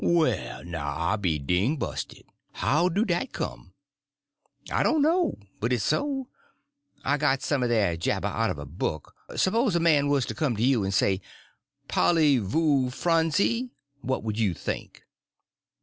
"Well, now, I be ding busted! How do dat come?" "I don't know; but it's so. I got some of their jabber out of a book. S'pose a man was to come to you and say Polly voo franzy—what would you think?"